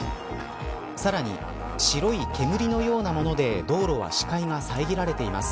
さらに白い煙のようなもので道路は視界が遮られています。